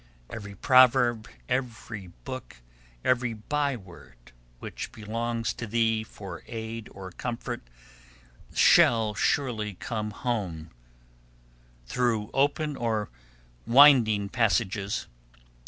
Every proverb, every book, every byword which belongs to thee for aid or comfort, shall surely come home, through open or winding passages.